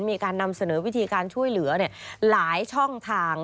มีการนำเสนอวิธีการช่วยเหลือหลายช่องทาง